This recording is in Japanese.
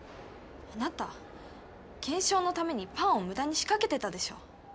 あなた検証のためにパンを無駄にしかけてたでしょ